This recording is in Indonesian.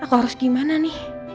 aku harus pergi aku harus pergi